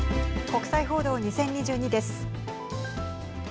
国際報道２０２２です。